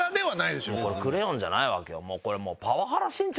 「クレヨン」じゃないわけよ。